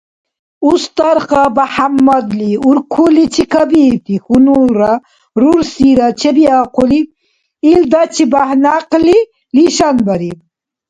Устарха БяхӀяммадли уркурличи кабиибти хьунулра рурсира чебиахъули, илдачибяхӀ някъли лишанбариб.